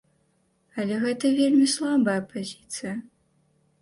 Але гэта вельмі слабая пазіцыя.